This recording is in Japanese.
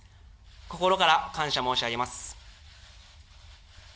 心から感謝申し上げます。